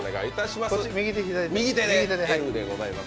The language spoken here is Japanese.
右手でＬでございます。